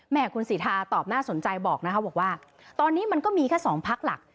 แม่คุณสิทาตอบน่าสนใจบอกนะคะบอกว่าตอนนี้มันก็มีแค่สองพักหลัก